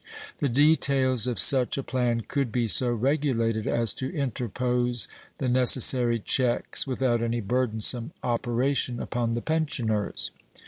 The details of such a plan could be so regulated as to interpose the necessary checks without any burdensome operation upon the pensioners.